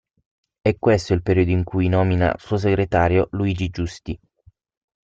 È questo il periodo in cui nomina suo segretario Luigi Giusti.